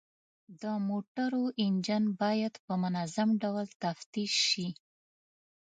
د موټرو انجن باید په منظم ډول تفتیش شي.